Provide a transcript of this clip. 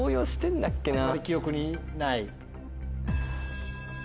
あんまり記憶にない？